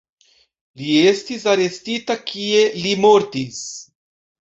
Li estis arestita, kie li mortis.